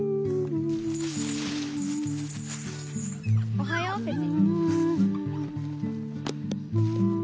おはようペチ。